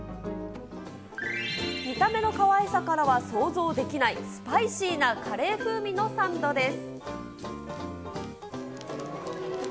見た目のかわいさからは想像できない、スパイシーなカレー風味のサンドです。